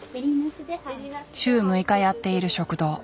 週６日やっている食堂。